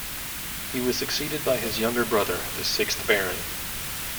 He was succeeded by his younger brother, the sixth Baron.